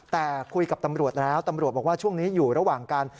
แต่คุยกับตำรวจแล้วตำรวจบอกว่าช่วงนี้อยู่ระหว่างการ